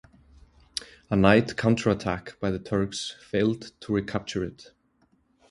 A night counter-attack by the Turks failed to recapture it.